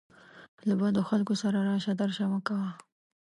له بدو خلکو سره راشه درشه مه کوه